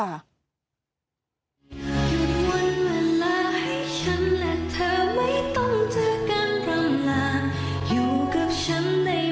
วันเวลาให้ฉันและเธอไม่ต้องเจอการร่างร่างอยู่กับฉันได้